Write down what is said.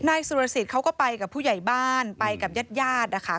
นายสุรสิทธิ์เขาก็ไปกับผู้ใหญ่บ้านไปกับญาติญาตินะคะ